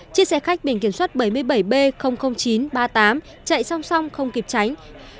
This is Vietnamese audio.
chiếc xe khách biển kiểm soát bảy mươi bảy b chín trăm ba mươi tám chạy song song không kịp tránh